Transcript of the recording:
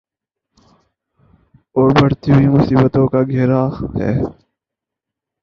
اوربڑھتی ہوئی مصیبتوں کا گھیرا ہے۔